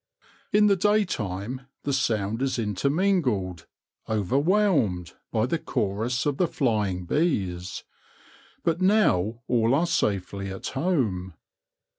In the daytime the sound is intermingled, overwhelmed, by the chorus of the flying bees. But now all are safely at home.